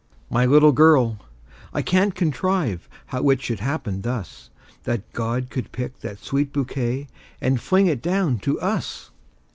My little girl—I can't contrive how it should happen thus— That God could pick that sweet bouquet, and fling it down to us!